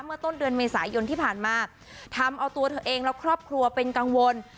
ต้นเดือนเมษายนที่ผ่านมาทำเอาตัวเธอเองและครอบครัวเป็นกังวล